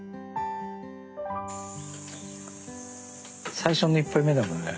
最初の１杯目だもんね。